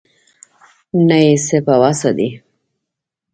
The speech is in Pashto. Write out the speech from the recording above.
نه یې څه په وسه دي.